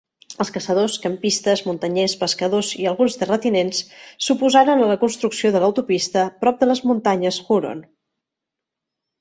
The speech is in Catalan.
Els caçadors, campistes, muntanyers, pescadors i alguns terratinents s'oposaren a la construcció de l'autopista prop de les muntanyes Huron.